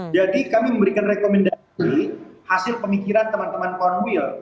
jadi kami memberikan rekomendasi hasil pemikiran teman teman cornwheel